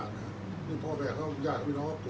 อันไหนที่มันไม่จริงแล้วอาจารย์อยากพูด